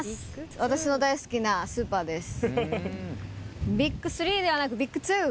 私の大好きなスーパーです。